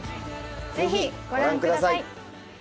ぜひご覧ください。